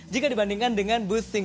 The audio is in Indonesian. jika dibandingkan dengan bus single